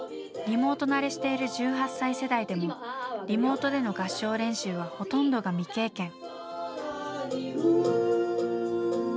リモート慣れしている１８歳世代でもリモートでの合唱練習はほとんどが未経験。